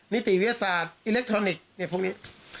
นิติวิทยาศาสตร์อิเล็กทรอนิกส์พวกนี้